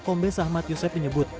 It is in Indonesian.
kombe sahmat yusef menyebut